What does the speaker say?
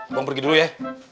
abang pergi dulu ya